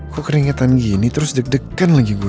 kok keringetan gini terus deg degan lagi gue